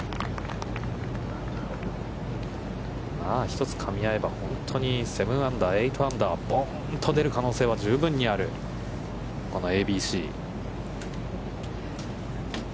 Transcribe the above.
一つかみ合えば、本当に７アンダー、８アンダーとボーンと出る可能性は十分にあるこのＡＢＣ。